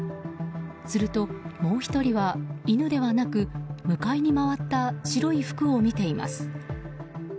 すると、もう１人は犬ではなく向かいに回った白い服を見ています。